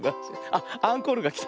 あっアンコールがきた。